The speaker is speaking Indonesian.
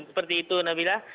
seperti itu nabila